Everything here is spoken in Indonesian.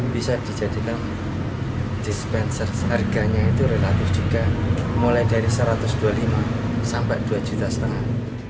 bisa dijadikan dispenser harganya itu relatif juga mulai dari satu ratus dua puluh lima sampai dua juta setengah